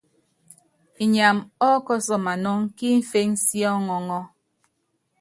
Inyam ɔ́kɔsɔ manɔŋ kí imféŋ sí ɔŋɔŋɔ́.